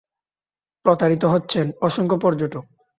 প্রতারিত হচ্ছেন অসংখ্য পর্যটক।